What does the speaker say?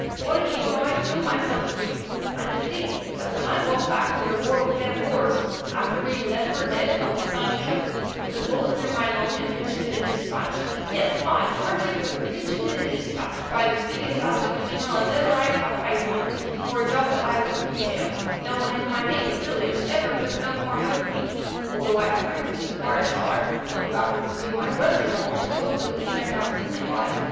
what a hero I feel myself to be. And to think that when I got back from the war with them Boers, after being left for dead on Spion Kop with a bullet through my lung and mentioned in a dispatch—yes, I, Sergeant Quick, mentioned in a dispatch by the biggest ass of a general as ever I clapped eyes on, for a job that I won't detail, no one in my native village ever took no note of me, although I had written to the parish clerk, who happens to be my brother in law, and told him the train I was coming by.